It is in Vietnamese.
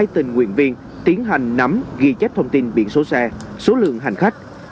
tình nguyện viên tiến hành nắm ghi chép thông tin biển số xe số lượng hành khách